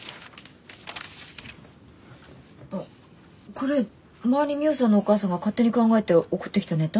これ前にミホさんのお母さんが勝手に考えて送ってきたネタ？